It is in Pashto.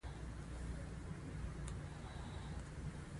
بیا دې یې په ټولګي کې ووايي.